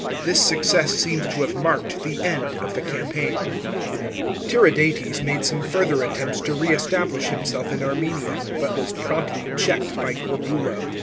This success seems to have marked the end of the campaign. § 11. Tiridates made some further attempts to re establish himself in Armenia, but was promptly checked by Corbulo.